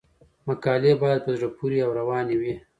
مقالې باید په زړه پورې او روانې وي.